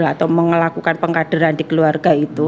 atau melakukan pengkaderan di keluarga itu